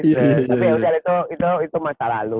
tapi yaudah itu masalah lo